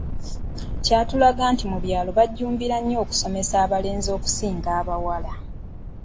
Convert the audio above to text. Kyatulaga nti mu byalo bajjumbira nnyo okusomesa abalenzi okusinga abawala.